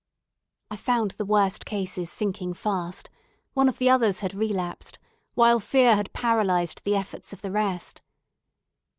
I found the worst cases sinking fast, one of the others had relapsed, while fear had paralysed the efforts of the rest.